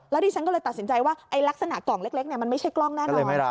ดิฉันก็เลยตัดสินใจว่าลักษณะกล่องเล็กมันไม่ใช่กล้องแน่นอน